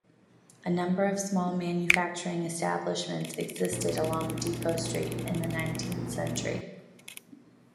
A number of small manufacturing establishments existed along Depot Street in the nineteenth century.